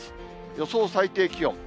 予想最低気温。